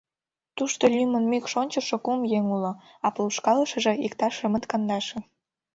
Тушто лӱмын мӱкш ончышо кум еҥ уло, а полышкалышыже — иктаж шымыт-кандаше.